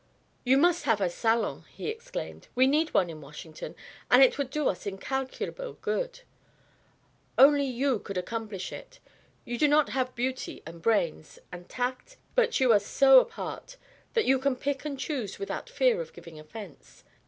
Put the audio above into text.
"You must have a salon" he exclaimed. "We need one in Washington, and it would do us incalculable good. Only you could accomplish it: you not only have beauty and brains and tact? but you are so apart that you can pick and choose without fear of giving offence.